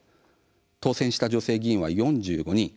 当選した女性議員は４５人。